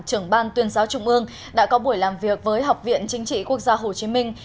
trưởng ban tuyên giáo trung ương đã có buổi làm việc với học viện chính trị quốc gia hồ chí minh